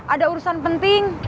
ada urusan penting